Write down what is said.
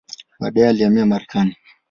Baadaye alihamia Marekani.